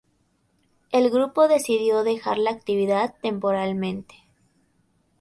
El grupo decidió dejar la actividad temporalmente.